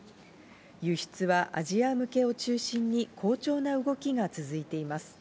輸出はアジア向けを中心に好調な動きが続いています。